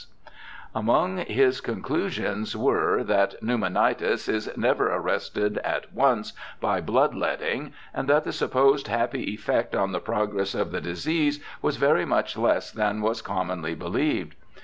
LOUIS 197 Among his conclusions were, that pneumonitis is never arrested at once by blood letting, and that the supposed happy effect on the progress of the disease was very much less than was commonly believed.